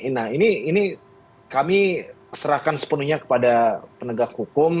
nah ini kami serahkan sepenuhnya kepada penegak hukum